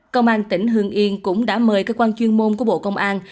công an tỉnh hương yên cũng đã mời cơ quan chuyên môn của bộ công an